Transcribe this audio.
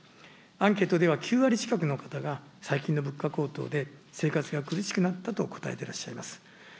アンケートでは、９割の近くの方が最近の物価高騰で生活が苦しくなったと答えてらっしゃいます。